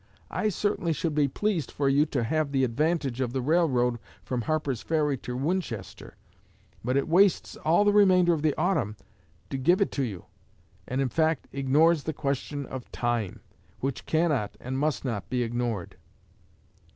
I certainly should be pleased for you to have the advantage of the railroad from Harper's Ferry to Winchester; but it wastes all the remainder of autumn to give it to you, and, in fact, ignores the question of time, which cannot and must not be ignored.